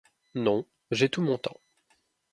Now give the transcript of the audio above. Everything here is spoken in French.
Non, j’ai tout mon temps.